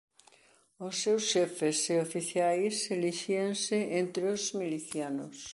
Os seus xefes e oficiais elixíanse entre os milicianos.